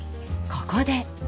ここで！